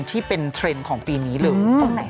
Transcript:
ที่เป็นเทรนด์ของปีนี้เลย